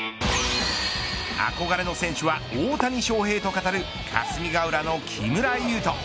憧れの選手は大谷翔平と語る霞ヶ浦の木村優人。